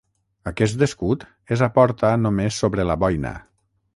Aquest escut és a porta només sobre la boina.